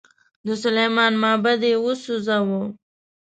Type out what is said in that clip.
د سلیمان معبد یې وسوځاوه.